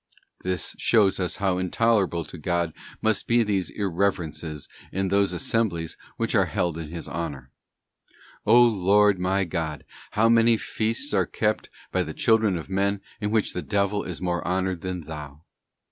t Botan at This shows us how intolerable to God must be these irre like a gin Yerences in those assemblies which are held in His honour. .ee O Lord, my God, how many feasts are kept by the children of men in which the devil is more honoured than Thou?